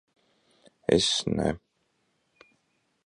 Es ne...